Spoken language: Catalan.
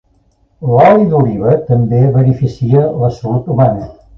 L'oli d'oliva també beneficia la salut humana.